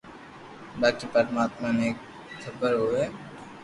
باقي پرماتما ني خبر ھي